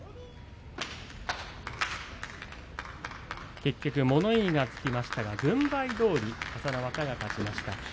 結局、物言いがつきましたが軍配どおり、朝乃若が勝ちました。